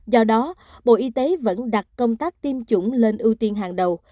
do đó bộ y tế vẫn đặt công tác tiêm chủng lên ưu tiên hàng đầu